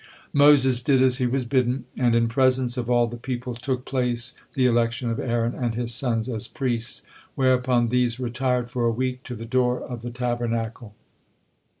Moses did as he was bidden, and in presence of all the people took place the election of Aaron and his sons as priests, whereupon these retired for a week to the door of the Tabernacle.